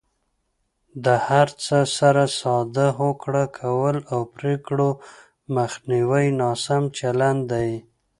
د هر څه سره ساده هوکړه کول او پرېکړو مخنیوی ناسم چلند دی.